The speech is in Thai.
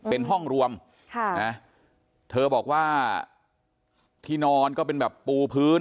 เป็นห้องรวมค่ะนะเธอบอกว่าที่นอนก็เป็นแบบปูพื้น